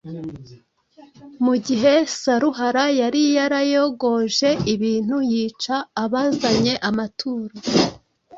Mu gihe Saruhara yari yarayogoje ibintu yica abazanye amaturo